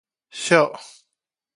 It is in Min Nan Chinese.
液